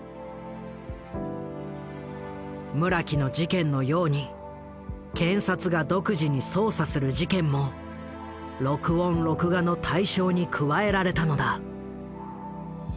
村木の事件のように検察が独自に捜査する事件も録音録画の対象に加えられたのだ。